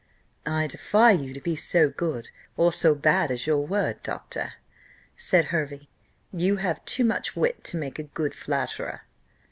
"I defy you to be so good or so bad as your word, doctor," said Hervey. "You have too much wit to make a good flatterer."